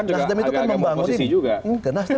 nasdem itu kan membangun nasdem